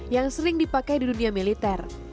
yang sering dipakai di dunia militer